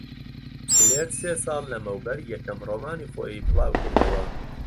دلێر سێ ساڵ لەمەوبەر یەکەم ڕۆمانی خۆی بڵاو کردەوە.